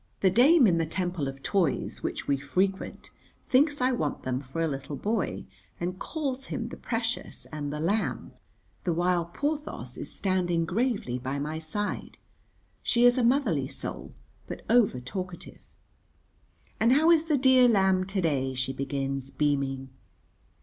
The dame in the temple of toys which we frequent thinks I want them for a little boy and calls him "the precious" and "the lamb," the while Porthos is standing gravely by my side. She is a motherly soul, but over talkative. "And how is the dear lamb to day?" she begins, beaming.